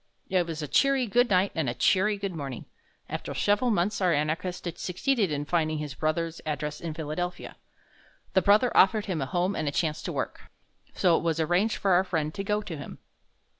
It was a cheery "good night" and a cheery "good morning." After several months our anarchist succeeded in finding his brother's address in Philadelphia. The brother offered him a home and a chance to work, so it was arranged for our friend to go to him.